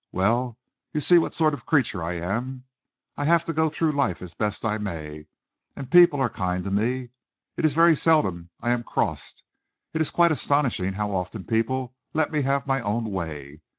Well, you see what sort of a creature I am. I have to go through life as best I may, and people are kind to me. It is very seldom I am crossed. It is quite astonishing how often people let me have my own way.